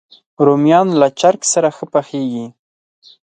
رومیان له چرګ سره ښه پخېږي